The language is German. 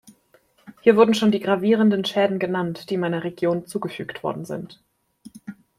Hier wurden schon die gravierenden Schäden genannt, die meiner Region zugefügt worden sind.